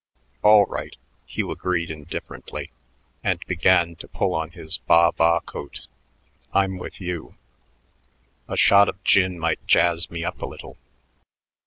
"All right," Hugh agreed indifferently and began to pull on his baa baa coat. "I'm with you. A shot of gin might jazz me up a little."